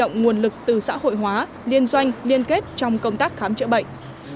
nguồn lực từ xã hội hóa liên doanh liên kết trong công tác khám chữa bệnh